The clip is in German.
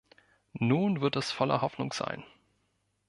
Nun wird es voller Hoffnung sein.